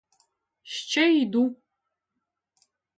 Ще йду.